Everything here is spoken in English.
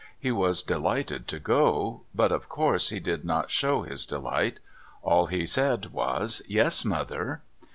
He was delighted to go; but, of course, he did not show his delight. All he said was: "Yes, Mother."